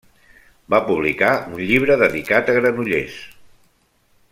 Va publicar un llibre dedicat a Granollers.